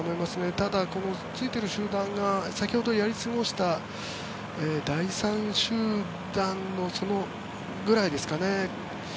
ただ、このついている集団が先ほどやり過ごした第３集団ぐらいですかね。